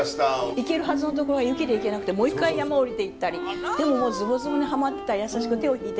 行けるはずの所が雪で行けなくてもう一回山を下りていったりでももうスボズボにはまってたら優しく手を引いて下さって。